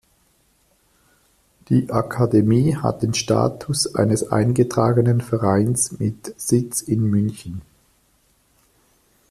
Die Akademie hat den Status eines eingetragenen Vereins mit Sitz in München.